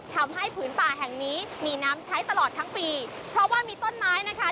ผืนป่าแห่งนี้มีน้ำใช้ตลอดทั้งปีเพราะว่ามีต้นไม้นะคะ